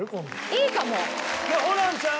いいかも！